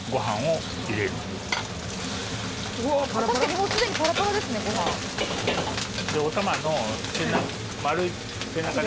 「確かにもうすでにパラパラですねご飯」でお玉の丸い背中でそうそうそうそう。